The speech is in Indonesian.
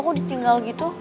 kok ditinggal gitu